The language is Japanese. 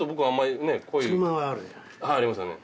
はい。